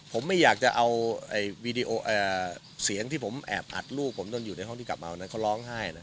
ผมไม่อยากจะเอาวีดีโอเสียงที่ผมแอบอัดลูกผมตอนอยู่ในห้องที่กลับมาเอานะเขาร้องไห้นะ